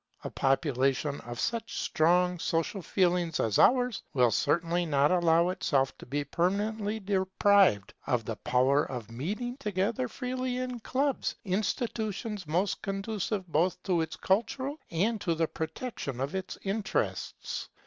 A population of such strong social feeling as ours will certainly not allow itself to be permanently deprived of the power of meeting together freely in clubs; institutions most conducive both to its culture and to the protection of its interests.